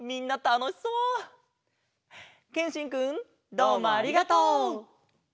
どうもありがとう！